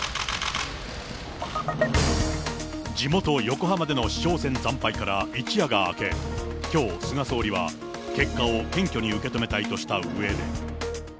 地元、横浜での市長選惨敗から一夜が明け、きょう、菅総理は、結果を謙虚に受け止めたいとしたうえで。